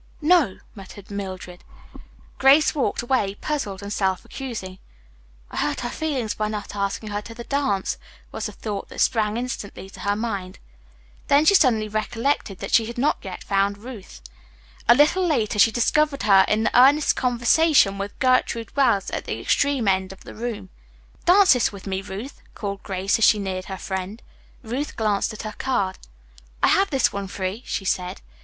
"No," muttered Mildred. Grace walked away, puzzled and self accusing. "I hurt her feelings by not asking her to dance," was the thought that sprang instantly to her mind. Then she suddenly recollected that she had not yet found Ruth. A little later she discovered her in earnest conversation with Gertrude Wells at the extreme end of the room. "Dance this with me, Ruth," called Grace, as she neared her friend. Ruth glanced at her card. "I have this one free," she said.